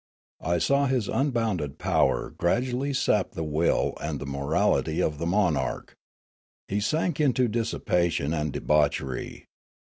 I saw his unbounded power gradually sap the will and the morality of the monarch. He sank into dissipation and debauchery.